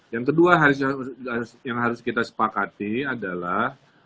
yang kedua yang harus kita sepakati adalah